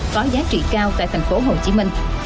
có giá trị cao tại tp hcm